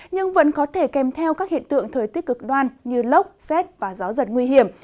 nhưng vẫn có thể kèm theo các hiện tượng thời tiết cực đoan như lốc xét và gió giật nguy hiểm